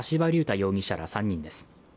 容疑者ら３人です。